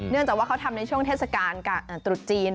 จากว่าเขาทำในช่วงเทศกาลตรุษจีน